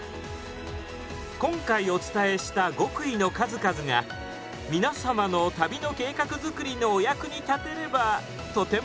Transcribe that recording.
今回お伝えした極意の数々が皆様の旅の計画作りのお役に立てればとてもうれしいです。